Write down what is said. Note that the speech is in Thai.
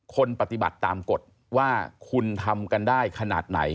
ปฏิบัติตามกฎว่าคุณทำกันได้ขนาดไหน